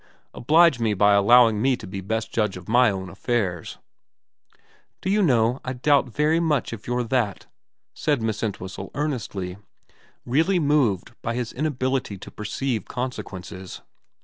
' Oblige me by allowing me to be the best judge of my own affairs.' ' Do you know I very much doubt if you're that,' said Miss Entwhistle earnestly, really moved by his inability to perceive consequences.